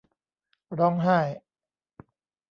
ร้องไห้